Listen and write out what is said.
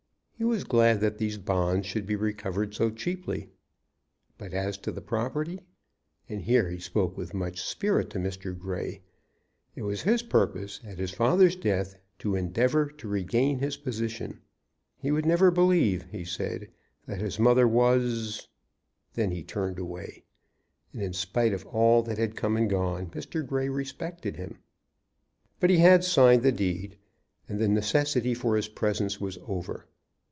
He was glad that these bonds should be recovered so cheaply. But as to the property, and here he spoke with much spirit to Mr. Grey, it was his purpose at his father's death to endeavor to regain his position. He would never believe, he said, that his mother was Then he turned away, and, in spite of all that had come and gone, Mr. Grey respected him. But he had signed the deed, and the necessity for his presence was over.